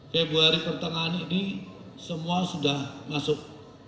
februari pertengahan ini semua sudah masuk